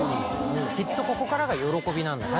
「きっとここからが喜びなんだ」